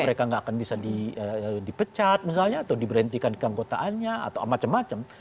mereka nggak akan bisa dipecat misalnya atau diberhentikan keanggotaannya atau macam macam